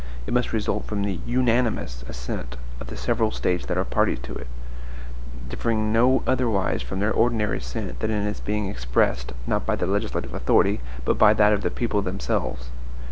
It must result from the UNANIMOUS assent of the several States that are parties to it, differing no otherwise from their ordinary assent than in its being expressed, not by the legislative authority, but by that of the people themselves.